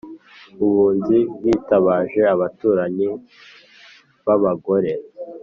abunzi bitabaje abaturanyi b’abagore